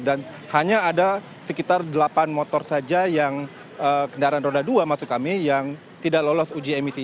dan hanya ada sekitar delapan motor saja yang kendaraan roda dua masuk kami yang tidak lolos uji emisi